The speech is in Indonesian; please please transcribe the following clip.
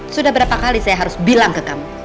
sudah berapa kali saya harus bilang ke kamu